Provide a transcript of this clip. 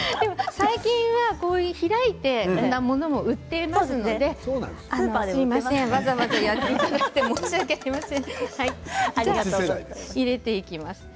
最近は開いているものも売っているのですいません、わざわざやっていただいて申し訳ありません。